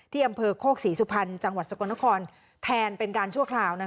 อำเภอโคกศรีสุพรรณจังหวัดสกลนครแทนเป็นการชั่วคราว